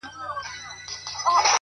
زما خوښيږي پر ماگران دى د سين تـورى’